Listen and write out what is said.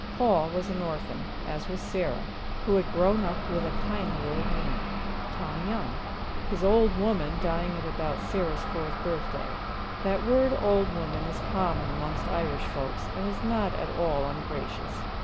Paul was an orphan, as was Sarah, who had grown up with a kindly old man, Tom Young; his "old woman," dying at about Sarah's fourth birthday. (That word "old woman," is common amongst Irish folks, and is not at all ungracious.